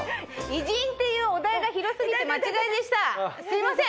偉人っていうお題が広過ぎて間違いでしたすいません。